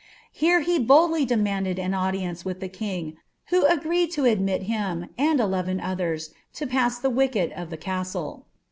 Here he boldly demanded m audience with the king, who agreed to admit him, and eleven other pUB Ihe wicket of the castle.